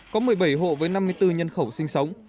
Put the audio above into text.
có một mươi bảy hộ với năm mươi bốn nhân khẩu sinh sống